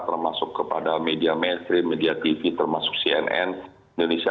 termasuk kepada media mainstream media tv termasuk cnn indonesia